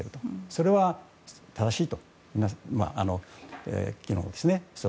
それは、正しいと。